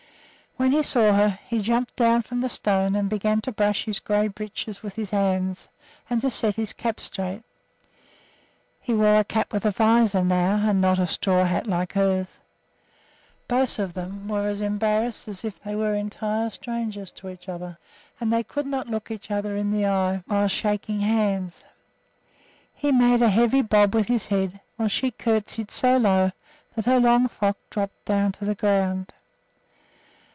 When he saw her, he jumped down from the stone and began to brush his gray breeches with his hands and to set his cap straight, he wore a cap with a visor now, and not a straw hat like hers. Both of them were as embarrassed as if they were entire strangers to each other, and they could not look each other in the eye while shaking hands. He made a heavy bob with his head, while she courtesied so low that her long frock drooped down to the ground.